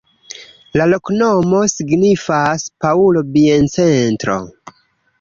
La loknomo signifas: Paŭlo-biencentro.